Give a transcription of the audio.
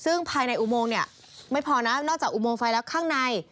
ซึ่งภายในอุโมงเนี่ยไม่พอนะนอกจากอุโมงไฟแล้วข้างใน